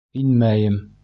Инмәйем!